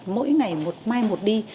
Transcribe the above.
mỗi ngày một mai một đi